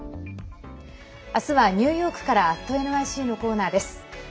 明日はニューヨークから「＠ｎｙｃ」のコーナーです。